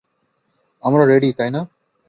আমরা রেডি, তাই না?